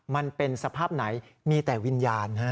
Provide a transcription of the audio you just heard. มันเป็นสภาพไหนมีแต่วิญญาณ